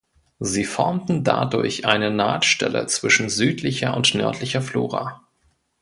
Sie formten dadurch eine Nahtstelle zwischen südlicher und nördlicher Flora.